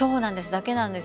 だけなんですよね。